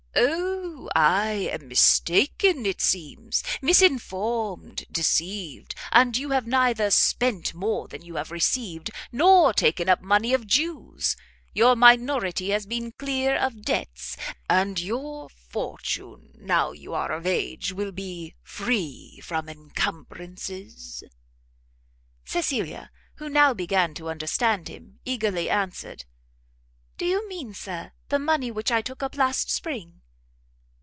"O, I am mistaken, it seems! misinformed, deceived; and you have neither spent more than you have received, nor taken up money of Jews? your minority has been clear of debts? and your fortune, now you are of age, will be free from incumbrances?" Cecilia, who now began to understand him, eagerly answered, "do you mean, Sir, the money which I took up last spring?"